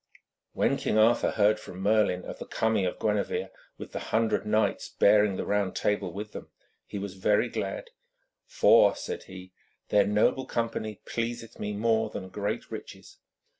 When King Arthur heard from Merlin of the coming of Gwenevere, with the hundred knights bearing the Round Table with them, he was very glad, 'for,' said he, 'their noble company pleaseth me more than great riches.'